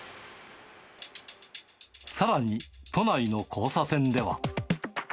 さらに都内の交差点では。